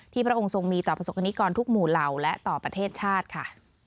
พระองค์ทรงมีต่อประสบกรณิกรทุกหมู่เหล่าและต่อประเทศชาติค่ะ